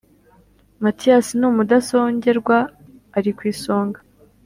matiyasi ni umudasongerwa ari ku isonga.